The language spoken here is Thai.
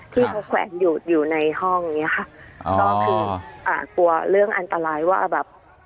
ที่เขาแขวนอยู่อยู่ในห้องอย่างเงี้ค่ะก็คืออ่ากลัวเรื่องอันตรายว่าแบบ